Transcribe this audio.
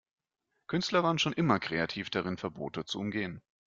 Künstler waren schon immer kreativ darin, Verbote zu umgehen.